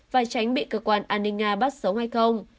và tránh bị cơ quan an ninh nga bắt sống hay không